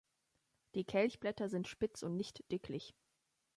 Die Kelchblätter sind spitz und nicht dicklich.